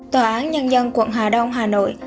tòa án nhân dân quận hà đông hà nội